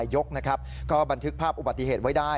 จังหวัดนครนายยกนะครับก็บันทึกภาพอุบัติเหตุไว้ได้